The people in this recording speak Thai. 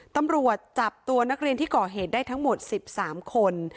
ตำรวจจับตัวนักเรียนที่ก่อเหตุได้ทั้งหมด๑๓คน